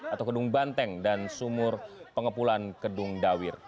atau gedung banteng dan sumur pengepulan gedung dawir